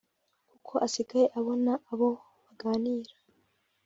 kuko asigaye abona abo baganira